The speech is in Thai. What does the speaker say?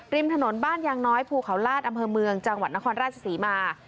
ริมถนนบ้านยางน้อยภูเขาลาดอำเภอเมืองจังหวัดนครราชศรีมา